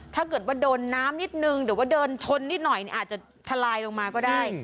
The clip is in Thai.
ถ้าเกิดว่าโดนน้ำนิดนึงหรือว่าเดินชนนิดหน่อยอาจจะทลายลงมาก็ได้